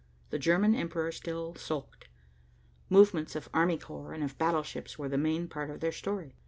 The German Emperor still sulked. Movements of army corps and of battleships were the main part of their story.